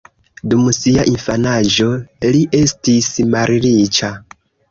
Dum sia infanaĝo, li estis malriĉa.